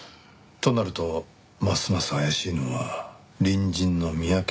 となるとますます怪しいのは隣人の三宅卓司。